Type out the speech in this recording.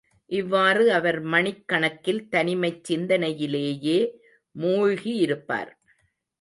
இவ்வாறு அவர் மணிக் கணக்கில் தனிமைச் சிந்தனையிலேயே மூழ்கியிருப்பார்.